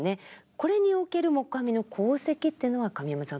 これにおける黙阿弥の功績というのは神山さん